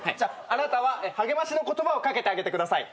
あなたは励ましの言葉をかけてあげてください。